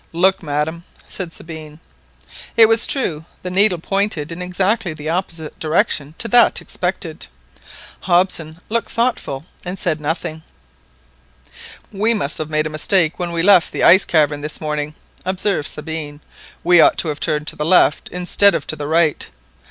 "Look, madam," said Sabine. It was true. The needle pointed in exactly the opposite direction to that expected. Hobson looked thoughtful and said nothing. "We must have made a mistake when we left the ice cavern this morning," observed Sabine, "we ought to have turned to the left instead of to the right."